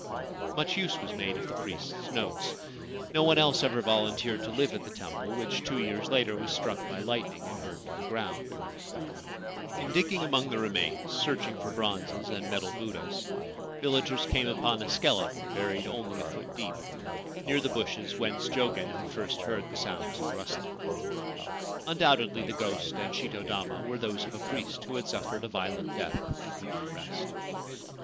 Much use was made of the priest's notes. No one else ever volunteered to live at the temple, which, two years later, was struck by lightning and burned to the 42 A Haunted Temple in Inaba Province ground. In digging among the remains, searching for bronzes and metal Buddhas, villagers came upon a skeleton buried, only a foot deep, near the bushes whence Jogen had first heard the sounds of rustling. Undoubtedly the ghost and shito dama were those of a priest who had suffered a violent death and could not rest.